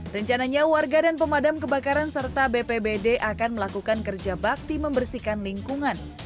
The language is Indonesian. rencananya warga dan pemadam kebakaran serta bpbd akan melakukan kerja bakti membersihkan lingkungan